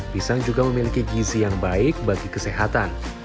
pisang juga memiliki gizi yang baik bagi kesehatan